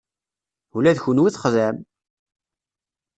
Ula d kenwi txedɛem!